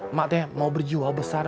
emak tuh mau berjiwa besar